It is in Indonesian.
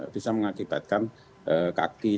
bisa mengakibatkan kaki